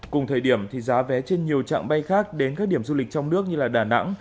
cùng thời điểm thì giá vé trên nhiều trạng bay khác đến các điểm du lịch trong nước như đà nẵng